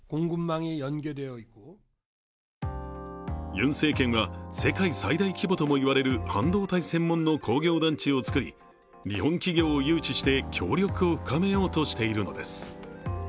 ユン政権は世界最大規模ともいわれる半導体専門の工業団地をつくり日本企業を誘致して協力を深めようとしているのです。